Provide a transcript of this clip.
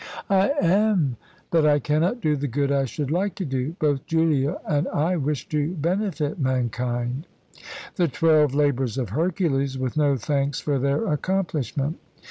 "I am, that I cannot do the good I should like to do. Both Julia and I wish to benefit mankind." "The twelve labours of Hercules, with no thanks for their accomplishment."